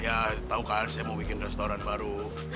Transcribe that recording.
ya tau kan saya mau bikin restoran baru